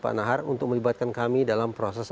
pak nahar untuk melibatkan kami dalam proses